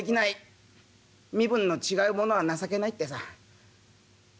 身分の違うものは情けないってさ。